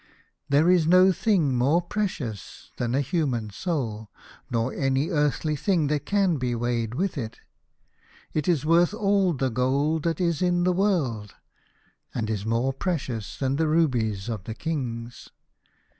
There is no thing more precious than a human soul, nor any earthly thing that can be weighed with it. It is worth all the gold that is in the world, and is more precious than the rubies of the kings.